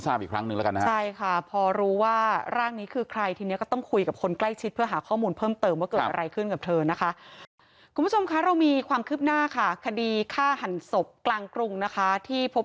จะห่างกันไม่มากเท่าไร